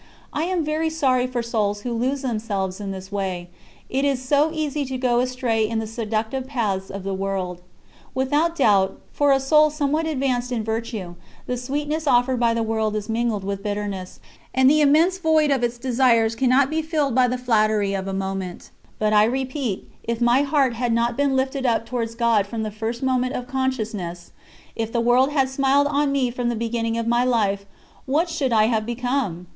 I am very sorry for souls who lose themselves in this way. It is so easy to go astray in the seductive paths of the world. Without doubt, for a soul somewhat advanced in virtue, the sweetness offered by the world is mingled with bitterness, and the immense void of its desires cannot be filled by the flattery of a moment; but I repeat, if my heart had not been lifted up towards God from the first moment of consciousness, if the world had smiled on me from the beginning of my life, what should I have become?